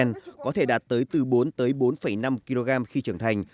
rắn hổ mang đen có thể đạt tới từ bốn tới bốn năm kg khi trưởng thành